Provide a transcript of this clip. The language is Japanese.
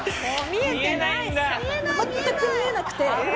全く見えなくて。